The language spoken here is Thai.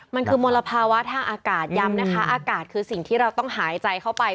มันคือมลภาวะทางอากาศย้ำนะคะอากาศคือสิ่งที่เราต้องหายใจเข้าไป